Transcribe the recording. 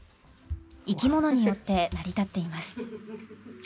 生き物によって成り立っています。